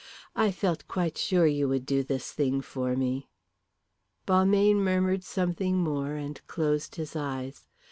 I felt quite sure you would do this thing for me." Balmayne murmured something more and closed his eyes.